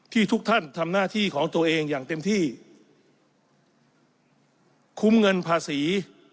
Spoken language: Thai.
ทุกท่านทำหน้าที่ของตัวเองอย่างเต็มที่คุ้มเงินภาษี